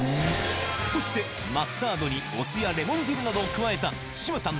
そしてマスタードにお酢やレモン汁などを加えた志麻さん